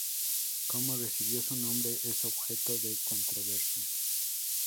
Cómo recibió su nombre es objeto de controversia.